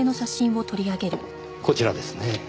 こちらですねぇ。